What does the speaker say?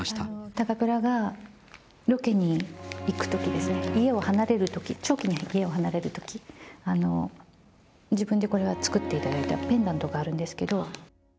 高倉がロケに行くときですね、家を離れるとき、長期に家を離れるとき、自分でこれは作っていただいた、ペンダントがあるんですけど。